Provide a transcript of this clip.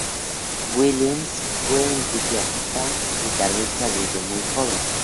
Willis fue un entusiasta guitarrista desde muy joven.